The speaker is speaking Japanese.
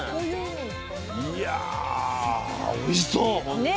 いやおいしそう本当に。